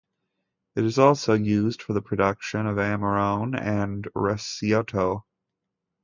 It is also used for the production of Amarone and Recioto.